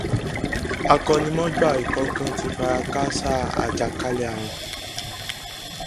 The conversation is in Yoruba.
Akọ́nimọ̀ọ́gbá ikọ̀ kan ti fara káásá àjàkálẹ̀ ààrùn.